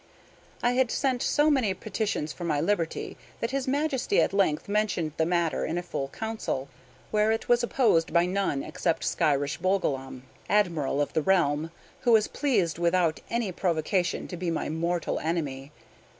I had sent so many petitions for my liberty that his Majesty at length mentioned the matter in a full council, where it was opposed by none except Skyresh Bolgolam, admiral of the realm, who was pleased without any provocation to be my mortal enemy.